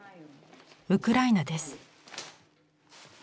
ウクライナです。